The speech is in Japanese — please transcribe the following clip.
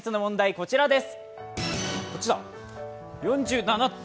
こちらです。